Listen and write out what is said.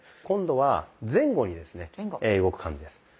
今度は前後にですね動く感じです。